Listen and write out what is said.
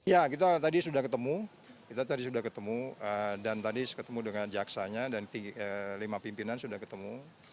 ya kita tadi sudah ketemu dan tadi ketemu dengan jaksanya dan lima pimpinan sudah ketemu